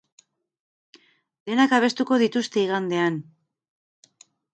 Denak abestuko dituzte igandean.